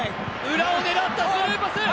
裏を狙ったスルーパス９